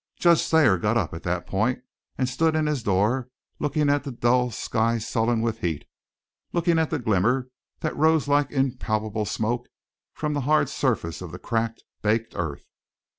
Judge Thayer got up at that point, and stood in his door looking at the dull sky sullen with heat; looking at the glimmer that rose like impalpable smoke from the hard surface of the cracked, baked earth.